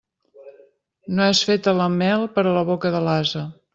No és feta la mel per a la boca de l'ase.